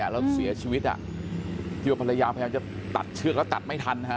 แล้วเสียชีวิตที่ว่าภรรยาจะตัดเชือกและตัดไม่ทันค่ะ